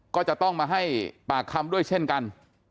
ก็จะต้องมาให้ปากคำด้วยเช่นกัน